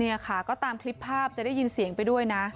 นี่ค่ะก็ตามคลิปภาพจะได้ยินเสียงไปด้วยนะ